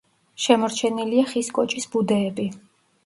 შემორჩენილია ხის კოჭის ბუდეები.